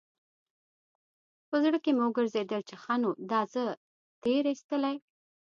په زړه کښې مې وګرځېدل چې ښه نو دا زه تېر ايستلى.